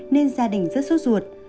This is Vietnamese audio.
nên gia đình rất sốt ruột